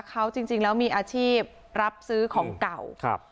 เขาจริงแล้วมีอาชีพรับซื้อของเก่าครับ